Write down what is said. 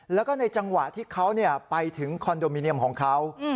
แล้วก็ในจังหวะที่เขาไปถึงคอนโดมิเนียมของเขา